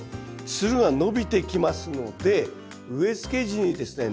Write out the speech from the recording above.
つるが伸びてきますので植えつけ時にですね